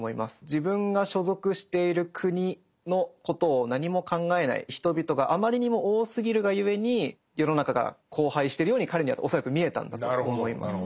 自分が所属している国のことを何も考えない人々があまりにも多すぎるが故に世の中が荒廃してるように彼には恐らく見えたんだと思います。